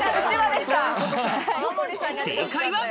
正解は。